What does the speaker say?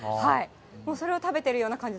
もう、それを食べてるような感じ。